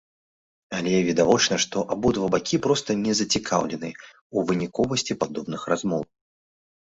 Але, відавочна, што абодва бакі проста не зацікаўленыя ў выніковасці падобных размоваў.